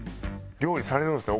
料理されるんですね